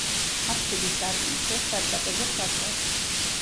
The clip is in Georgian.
აფსიდის სარკმლის ქვეშ სატრაპეზო ქვა დგას.